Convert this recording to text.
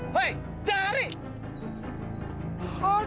woy jangan kali